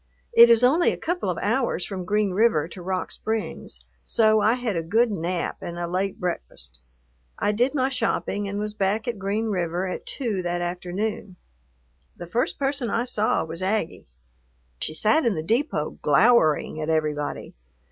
It is only a couple of hours from Green River to Rock Springs, so I had a good nap and a late breakfast. I did my shopping and was back at Green River at two that afternoon. The first person I saw was Aggie. She sat in the depot, glowering at everybody.